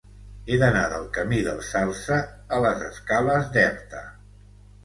He d'anar del camí del Salze a les escales d'Erta.